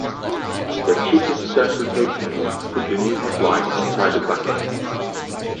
The cheapest such replacement was to put the new headlight inside the bucket.